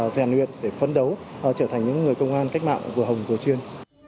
rèn luyện để phấn đấu trở thành những người công an cách mạng vừa hồng vừa chuyên